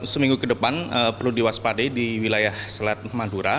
seminggu ke depan perlu diwaspadai di wilayah selat madura